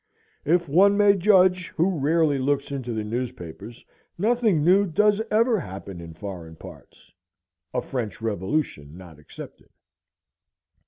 If one may judge who rarely looks into the newspapers, nothing new does ever happen in foreign parts, a French revolution not excepted.